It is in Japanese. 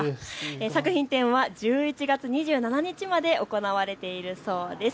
作品展は１１月２７日まで行われているそうです。